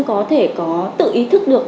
có thể có tự ý thức được